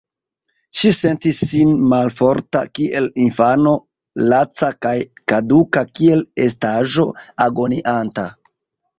Ŝi sentis sin malforta kiel infano, laca kaj kaduka kiel estaĵo agonianta.